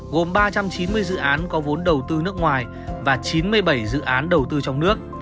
gồm ba trăm chín mươi dự án có vốn đầu tư nước ngoài và chín mươi bảy dự án đầu tư trong nước